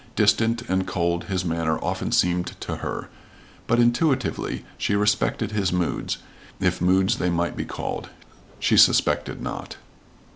Distant and cold his manner often seemed to her, but intuitively she respected his moods, if moods they might be called: she suspected not.